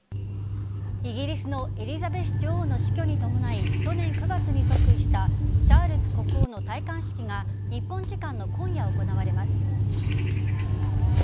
イギリスのエリザベス女王の死去に伴い去年９月に即位したチャールズ国王の戴冠式が日本時間の今夜行われます。